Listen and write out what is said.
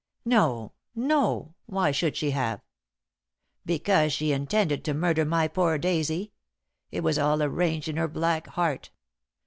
"No, no; why should she have?" "Because she intended to murder my poor Daisy. It was all arranged in her black heart.